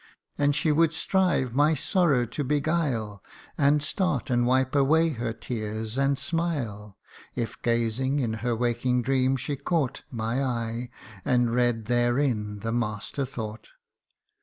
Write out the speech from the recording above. And she would strive my sorrow to beguile, And start, and wipe away her tears, and smile, If, gazing in her waking dream, she caught My eye, and read therein the master thought.